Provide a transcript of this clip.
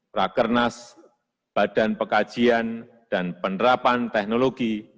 prakernas badan pekajian dan penerapan teknologi